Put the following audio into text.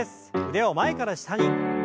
腕を前から下に。